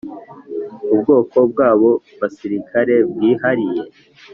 Ubwoko bwabo basirikare bwihariye